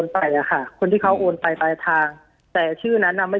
ปากกับภาคภูมิ